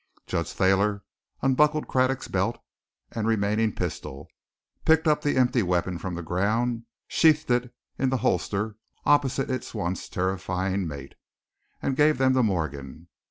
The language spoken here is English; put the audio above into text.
Judge Thayer unbuckled Craddock's belt and remaining pistol, picked up the empty weapon from the ground, sheathed it in the holster opposite its once terrifying mate, and gave them to Morgan.